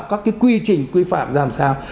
các cái quy trình quy phạm ra làm sao